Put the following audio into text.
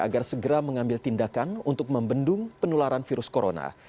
agar segera mengambil tindakan untuk membendung penularan virus corona